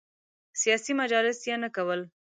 سیاسي مجالس یې نه کول.